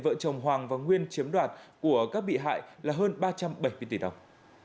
vợ chồng hoàng và nguyên chiếm đoạt của các bị hại là hơn ba trăm bảy mươi tỷ đồng